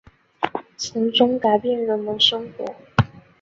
从中改变人们生活